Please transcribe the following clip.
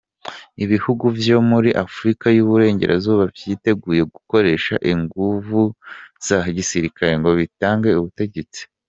Ibihugu vyo muri Afrika y'uburengero vyiteguye gukoresha inguvu za gisirikare ngo bitange ubutegetsi.